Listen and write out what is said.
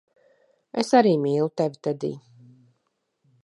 Es arī mīlu tevi, Tedij.